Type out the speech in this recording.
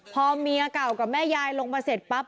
พอเมียเก่ากับแม่ยายลงมาเสร็จปั๊บ